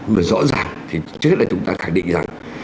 mà rõ ràng trước đây chúng ta khẳng định rằng